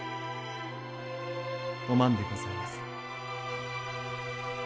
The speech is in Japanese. お万でございます。